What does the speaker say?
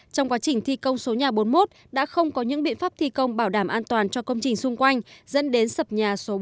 trong quá trình thi công số nhà bốn mươi một đã không có những biện pháp thi công bảo đảm an toàn cho công trình xung quanh dẫn đến sập nhà số bốn mươi ba cửa bắc